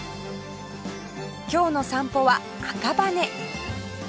今日の散歩は赤羽